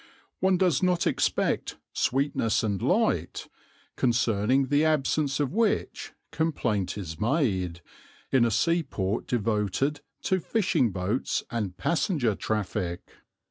One does not expect "sweetness and light," concerning the absence of which complaint is made, in a seaport devoted to fishing boats and passenger traffic.